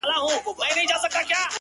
• که لومړۍ ورځ يې پر غلا واى زه ترټلى,